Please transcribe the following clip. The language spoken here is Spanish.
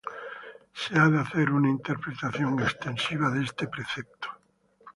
Se ha de hacer una interpretación extensiva de este precepto.